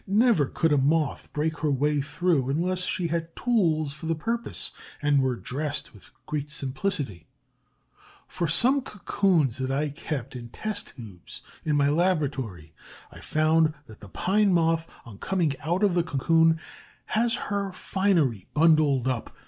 Never could a Moth break her way through unless she had tools for the purpose and were dressed with great simplicity. From some cocoons that I kept in test tubes in my laboratory I found that the Pine Moth, on coming out of the cocoon, has her finery bundled up.